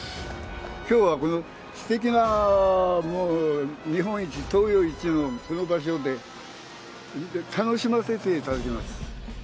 きょうはこのすてきなもう日本一、東洋一のこの場所で、楽しませていただきます。